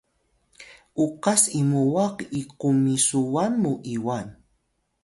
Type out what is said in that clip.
ukas imuwag i qumisuwan mu Iwal